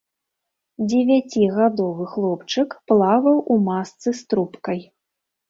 Дзевяцігадовы хлопчык плаваў у масцы з трубкай.